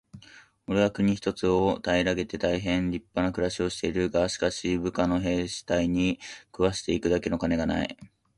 「おれは国一つを平げて大へん立派な暮しをしている。がしかし、部下の兵隊に食わして行くだけの金がない。」